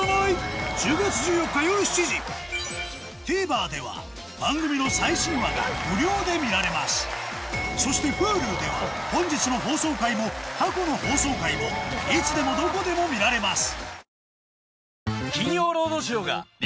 昔はＴＶｅｒでは番組の最新話が無料で見られますそしてＨｕｌｕでは本日の放送回も過去の放送回もいつでもどこでも見られます